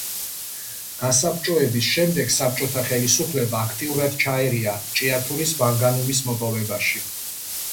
გასაბჭოების შემდეგ, საბჭოთა ხელისუფლება აქტიურად ჩაერია ჭიათურის მანგანუმის მოპოვებაში.